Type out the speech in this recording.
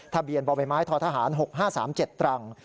ทะเบียนบ่อใบไม้ททหาร๖๕๓๗ตรัง